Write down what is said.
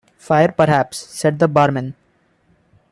"Fire, perhaps," said the barman.